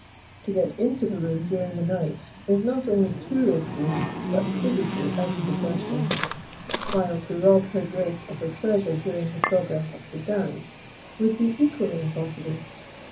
"To get into the room during the night is not only too risky, but physically out of the question; while to rob Her Grace of her treasure during the progress of the dance would be equally impossible.